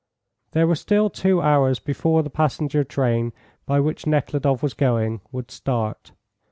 There were still two hours before the passenger train by which Nekhludoff was going would start.